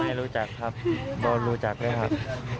ไม่รู้จักครับโดนรู้จักด้วยครับ